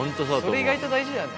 それ意外と大事だよね。